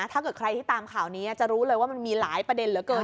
ถ้าเกิดใครที่ตามข่าวนี้จะรู้เลยว่ามันมีหลายประเด็นเหลือเกิน